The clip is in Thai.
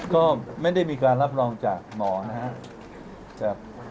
ก็ไม่ได้มีการรับรองจากหมอนะครับ